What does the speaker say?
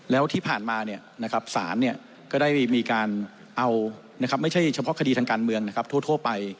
แล้วที่ผ่านมาศาลก็ได้มีการเอาไม่ใช่เฉพาะคดีทางการเมืองทั่วไป